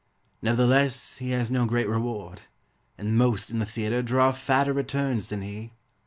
Nevertheless he has no great reward, And most in the theatre Draw fatter returns than he.